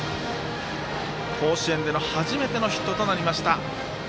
甲子園での初めてのヒットとなりました。